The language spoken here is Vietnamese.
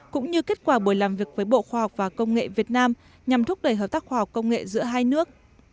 cũng như kết quả buổi làm việc với bộ khoa học và công nghệ việt nam nhằm thúc đẩy hợp tác khoa học công nghệ giữa hai nước